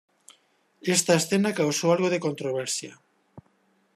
Esta escena causó algo de controversia.